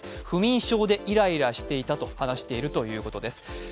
不眠症でイライラしていたと話しているということです。